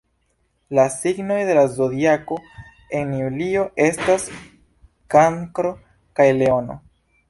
La signoj de la Zodiako en julio estas Kankro kaj Leono.